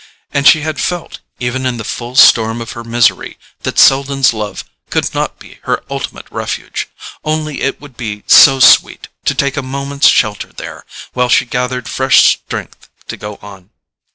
And she had felt, even in the full storm of her misery, that Selden's love could not be her ultimate refuge; only it would be so sweet to take a moment's shelter there, while she gathered fresh strength to go on.